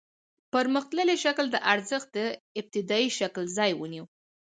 پرمختللي شکل د ارزښت د ابتدايي شکل ځای ونیو